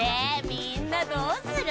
みんなどうする？